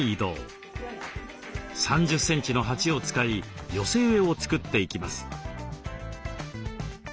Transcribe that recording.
３０センチの鉢を使い寄せ植えを作っていきます。